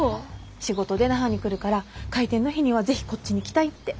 仕事で那覇に来るから開店の日には是非こっちに来たいって。